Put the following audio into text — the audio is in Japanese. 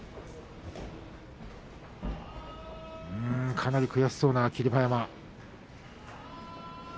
かなり悔しそうな霧馬山。